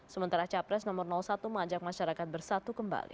sementara capres nomor satu mengajak masyarakat bersatu kembali